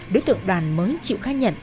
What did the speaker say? đối tượng đoàn mới chịu khai nhận